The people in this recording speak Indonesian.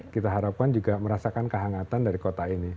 kita harapkan juga merasakan kehangatan dari kota ini